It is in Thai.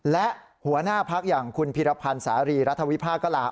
และหัวหน้าพักอย่างคุณพิรพันธ์สารีรัฐวิพากก็ลา